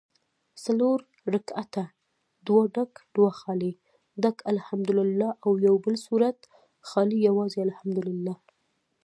څلور رکعته دوه ډک دوه خالي ډک الحمدوالله او یوبل سورت خالي یوازي الحمدوالله